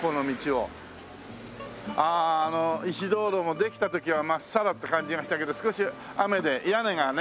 あの石灯籠もできた時は真っさらって感じがしたけど少し雨で屋根がね